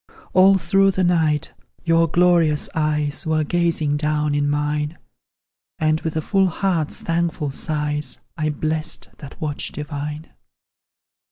All through the night, your glorious eyes Were gazing down in mine, And, with a full heart's thankful sighs, I blessed that watch divine.